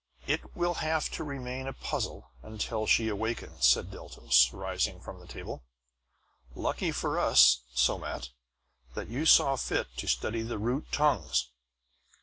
"It will have to remain a puzzle until she awakens," said Deltos, rising from the table. "Lucky for us, Somat, that you saw fit to study the root tongues.